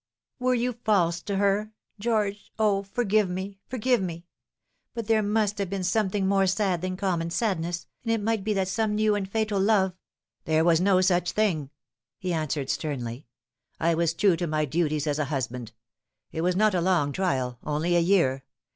" Were you false to her, George O, forgive me, forgive me but there must have been something more sad than common sadness, and it might be that some new and fatal love "" There was no such thing," he answered sternly. " I was true to my duties as a husband. It was not a long trial only a year.